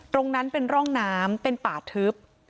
ตรงนั้นเป็นร่องน้ำเป็นป่าทึบ